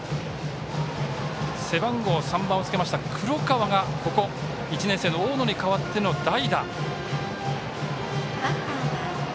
背番号３番をつけました黒川が１年生、大野に代わっての代打。